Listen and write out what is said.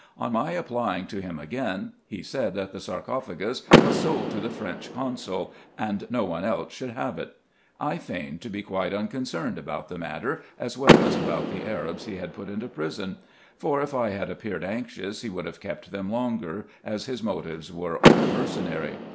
On my applying to him again, he said that the sarcophagus was sold to the French consul, and no one else should have it. I feigned to be quite unconcerned about the matter, as well as about the Arabs he had put into prison ; for, if I had appeared anxious, he would have kept them longer, as his motives were all mercenary.